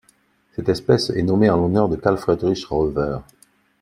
Cette espèce est nommée en l'honneur de Carl Friedrich Roewer.